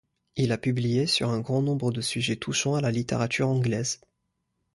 Il a publié sur un grand nombre de sujets touchant à la littérature anglaise.